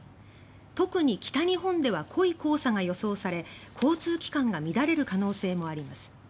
特に北日本では濃い黄砂が予想され交通機関が乱れる可能性もあります。